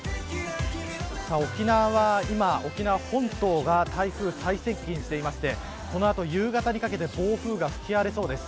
沖縄は沖縄本島は台風、最接近していてこの後夕方にかけて暴風が吹き荒れそうです。